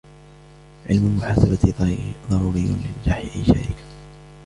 علم المحاسبة ضروري لنجاح أي شركة